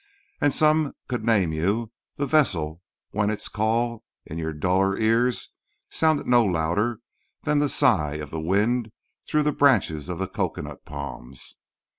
And some could name you the vessel when its call, in your duller ears, sounded no louder than the sigh of the wind through the branches of the cocoanut palms.